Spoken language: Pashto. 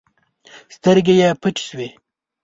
سترګې يې پټې شوې.